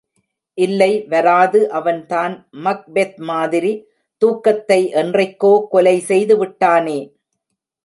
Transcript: இல்லை வராது அவன் தான் மக்பெத்மாதிரி தூக்கத்தை என்றைக்கோ கொலை செய்து விட்டானே.